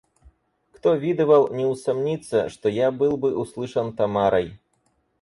Кто видывал, не усомнится, что я был бы услышан Тамарой.